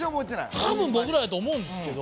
たぶん僕らだと思うんですけど。